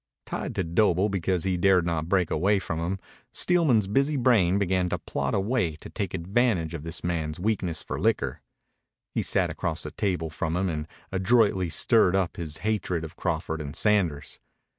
Tied to Doble because he dared not break away from him, Steelman's busy brain began to plot a way to take advantage of this man's weakness for liquor. He sat across the table from him and adroitly stirred up his hatred of Crawford and Sanders.